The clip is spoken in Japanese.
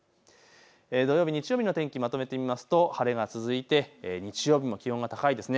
土曜日日曜日の天気をまとめてみますと晴れが続いて日曜日も気温が高いです。